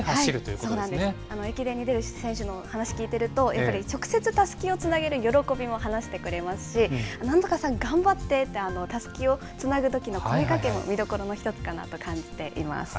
そうなんです、駅伝に出る選手の話聞いてると、やっぱり直接たすきをつなげる喜びも話してくれますし、なんとかさん頑張ってって、たすきをつなぐときの声かけも見どころの一つかなと感じています。